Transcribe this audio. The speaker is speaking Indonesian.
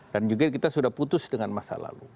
dan juga kita sudah putus dengan masa lalu